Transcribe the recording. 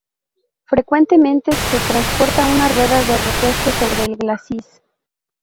Frecuentemente se transporta una rueda de repuesto sobre el glacis.